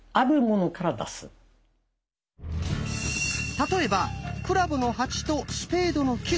例えば「クラブの８」と「スペードの９」